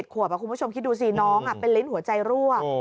ขวบคุณผู้ชมคิดดูสิน้องเป็นลิ้นหัวใจรั่ว